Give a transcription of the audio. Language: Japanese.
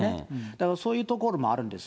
だからそういうところもあるんです。